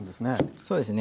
そうですね。